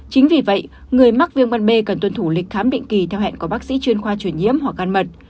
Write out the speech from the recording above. chính vì vậy người mắc viêm gan b cần tuân thủ lịch khám định kỳ theo hẹn của bác sĩ chuyên khoa chuyển nhiễm hoặc gan mật